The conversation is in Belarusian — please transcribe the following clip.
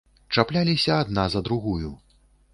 Чапляліся адна за другую.